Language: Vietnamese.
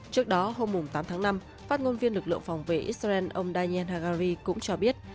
trước đó hôm tám tháng năm phát ngôn viên lực lượng phòng vệ israel ông dayen hagari cũng cho biết